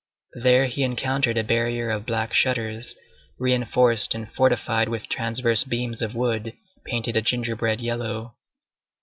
There he encountered a barrier of black shutters, re enforced and fortified with transverse beams of wood painted a gingerbread yellow.